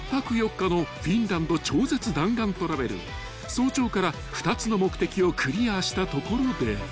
［早朝から２つの目的をクリアしたところで］